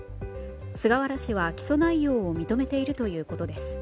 菅原氏は、起訴内容を認めているということです。